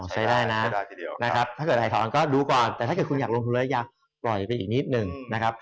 ใช้ได้นะนะครับถ้าเกิดถ่ายถอนก็ดูก่อนแต่ถ้าเกิดคุณอยากลงทุนแล้วอยากปล่อยไปอีกนิดหนึ่งนะครับ